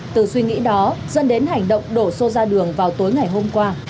từ suy nghĩ đó dẫn đến hành động đổ xô ra đường vào tối ngày hôm qua